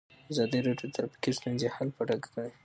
ازادي راډیو د ټرافیکي ستونزې حالت په ډاګه کړی.